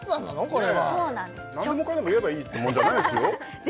これは何でもかんでも言えばいいってもんじゃないっすよ？